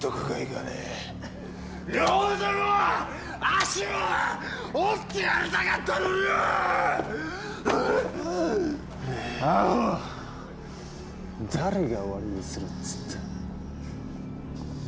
アホ誰が終わりにするっつった？